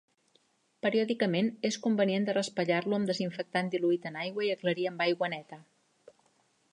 Periòdicament, és convenient de raspallar-lo amb desinfectant diluït en aigua i aclarir amb aigua neta.